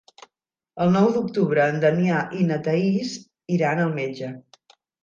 El nou d'octubre en Damià i na Thaís iran al metge.